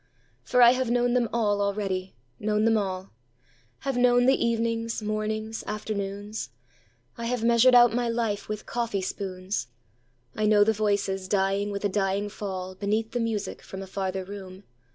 For I have known them all already, known them all:Have known the evenings, mornings, afternoons,I have measured out my life with coffee spoons;I know the voices dying with a dying fallBeneath the music from a farther room.